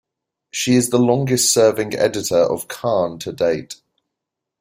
She is the longest serving editor of "Carn" to date.